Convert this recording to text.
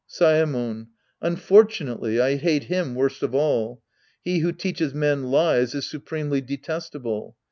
Saemon. Unfortunately I hate him worst of all. He who teaches men lies is supremely detestable.